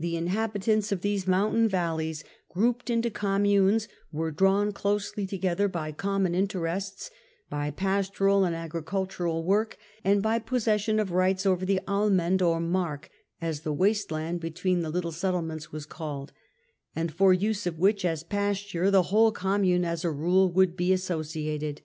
The inhabitants of these mountain valleys, grouped into communes, were drawn closely together by common interests, by pastoral and agricultural work and by possession of rights over the allmend or mark, as the waste land between the little settlements was called, and for use of which as pasture the whole commune, as a rule, would be associated.